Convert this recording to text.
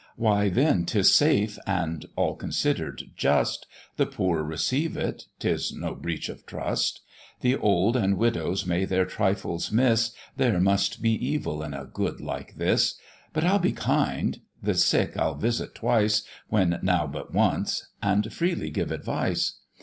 Why then 'tis safe and (all consider'd) just, The poor receive it, 'tis no breach of trust: The old and widows may their trifles miss, There must be evil in a good like this: But I'll be kind the sick I'll visit twice, When now but once, and freely give advice.